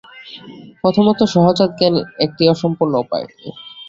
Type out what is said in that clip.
প্রথমত সহজাত জ্ঞান একটি অসম্পূর্ণ উপায়।